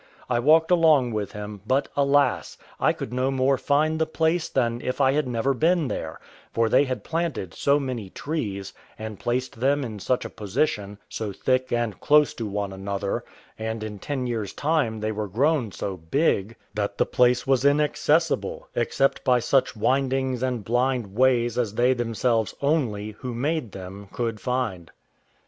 I walked along with him, but, alas! I could no more find the place than if I had never been there; for they had planted so many trees, and placed them in such a position, so thick and close to one another, and in ten years' time they were grown so big, that the place was inaccessible, except by such windings and blind ways as they themselves only, who made them, could find.